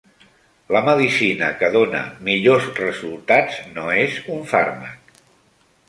La medicina que dona millors resultats no és un fàrmac.